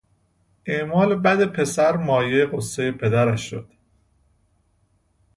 اعمال بد پسر مایهی غصهی پدرش شد.